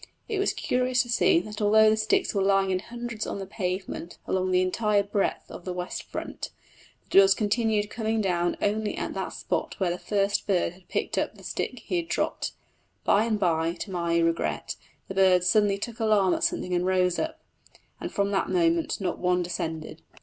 It was curious to see that although sticks were lying in hundreds on the pavement along the entire breadth of the west front, the daws continued coming down only at that spot where the first bird had picked up the stick he had dropped. By and by, to my regret, the birds suddenly took alarm at something and rose up, and from that moment not one descended.